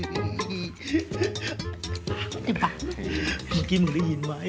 เมื่อกี้มึงได้ยินไหม